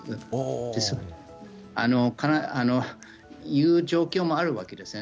そういう状況もあるわけです。